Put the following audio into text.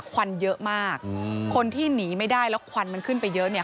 ควันเยอะมากคนที่หนีไม่ได้แล้วควันมันขึ้นไปเยอะเนี่ย